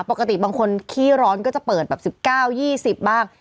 ปกติบางคนขี้ร้อนก็จะเปิดแบบ๑๙๒๐บ้าง